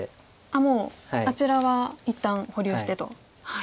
もうあちらは一旦保留してと。